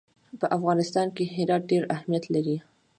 په افغانستان کې هرات ډېر اهمیت لري.